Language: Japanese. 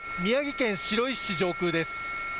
宮城県白石市上空です。